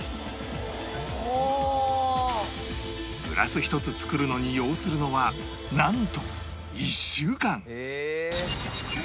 グラス１つ作るのに要するのはなんと１週間